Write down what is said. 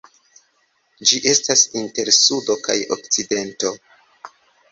Ĝi estas inter Sudo kaj Okcidento.